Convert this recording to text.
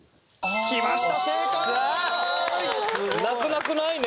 「なくなくない」ね。